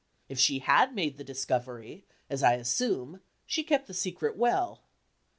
If she had made the discovery, as I assume, she kept the secret well.